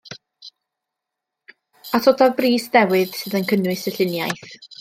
Atodaf bris newydd sydd yn cynnwys y lluniaeth